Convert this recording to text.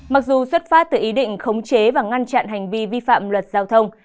mặc dù xuất phát từ ý định khống chế và ngăn chặn hành vi vi phạm luật giao thông